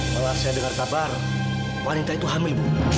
malah saya dengar kabar wanita itu hamil